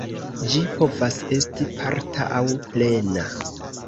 Ĝi povas esti parta aŭ plena.